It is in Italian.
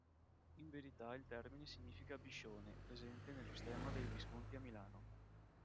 In verità il termine significa "biscione" presente nello stemma dei Visconti a Milano.